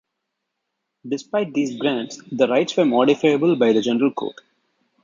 Despite these grants, the rights were modifiable by the General Court.